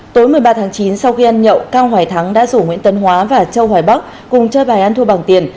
tối một mươi ba tháng chín sau khi ăn nhậu cao hoài thắng đã rủ nguyễn tấn hóa và châu hoài bắc cùng chơi bài ăn thua bằng tiền